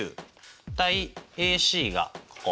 ＡＣがここ。